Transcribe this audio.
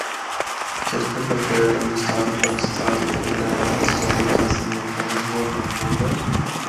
کرکٹ دا کھیل ہندوستان، پاکستان، انگلینڈ تے آسٹریلیا جیسیاں ملکاں بچ بہت مقبول اے۔